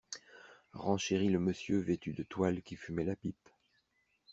Renchérit le monsieur vêtu de toile qui fumait la pipe.